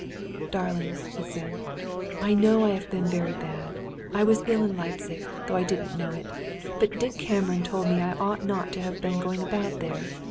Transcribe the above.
"Darling," he said, "I know I have been very bad. I was ill in Leipzig, though I didn't know it. But Dick Cameron told me I ought not to have been going about there.